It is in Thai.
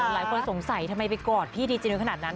หลายคนสงสัยทำไมไปกอดพี่ดีเจนุขนาดนั้น